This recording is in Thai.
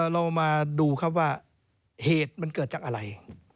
เรามาดูครับว่าเหตุมันเกิดจากอะไร